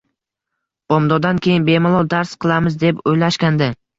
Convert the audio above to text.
Bomdoddan keyin bemalol dars qilamiz, deb oʻylashgandi